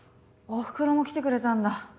おふくろも来てくれたんだ。